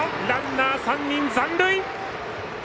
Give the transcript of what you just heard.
ランナー３人、残塁。